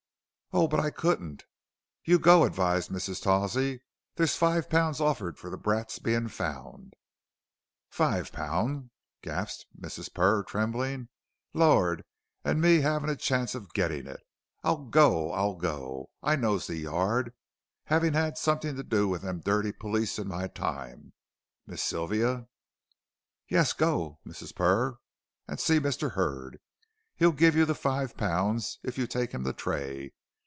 "Oh! but I couldn't " "You go," advised Mrs. Tawsey. "There's five pounds offered for the brat's bein' found." "Five pun!" gasped Mrs. Purr, trembling. "Lor', and me 'avin' a chanct of gittin' it. I'll go I'll go. I knows the Yard, 'avin' 'ad summat to do with them dirty perlice in my time. Miss Sylvia " "Yes, go, Mrs. Purr, and see Mr. Hurd. He'll give you the five pounds if you take him to Tray."